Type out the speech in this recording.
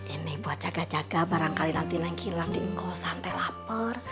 ini buat jaga jaga barangkali nanti noon kinar di ingkosan teh lapar